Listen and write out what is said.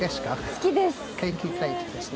好きです！